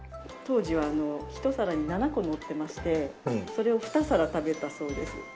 当時はひと皿に７個のってましてそれを２皿食べたそうです。